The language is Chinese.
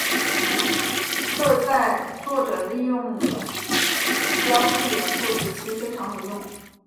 这在作者利用了标记元素时非常有用。